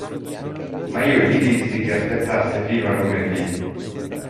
Ma io gli dissi che aspettasse fino a lunedì.